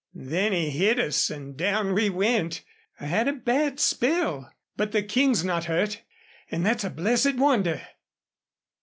Then he hit us an' down we went. I had a bad spill. But the King's not hurt an' thet's a blessed wonder."